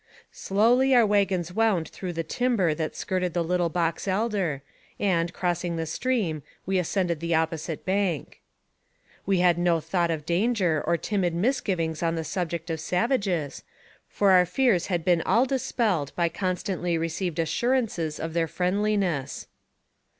Slowly our wagons wound through the timber that skirted the Little Box Elder, and, crossing the stream, we ascended the opposite bank. 20 NAKRATIVE OF CAPTIVITY We had no thought of danger or timid misgivings on the subject of savages, for our fears had been all dis persed by constantly received assurances of their friend liness.